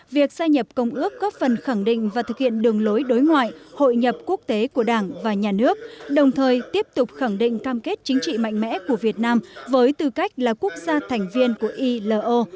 việc gia nhập công ước góp phần khẳng định và thực hiện đường lối đối ngoại hội nhập quốc tế của đảng và nhà nước đồng thời tiếp tục khẳng định cam kết chính trị mạnh mẽ của việt nam với tư cách là quốc gia thành viên của ilo